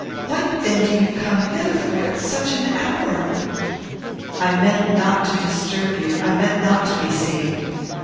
"What then do you come hither for at such an hour?" "I meant not to disturb you; I meant not to be seen."